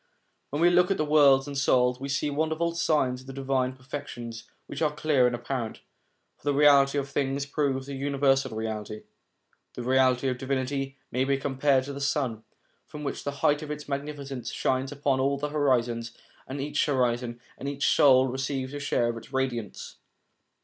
When we look at the worlds and the souls, we see wonderful signs of the divine perfections, which are clear and apparent ; for the reality of things proves the Universal Reality. The Reality of Divinity may be compared to the sun, which from the height of its magnificence shines upon all the horizons, and each horizon, and each soul, receives a share of its radiance.